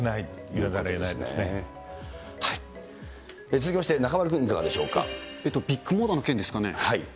続きまして中丸君、ビッグモーターの件ですかね。